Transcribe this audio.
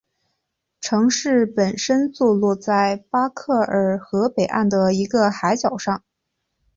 城市本身坐落在巴克尔河北岸的一个海角上。